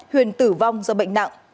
huyền tử vong do bệnh nặng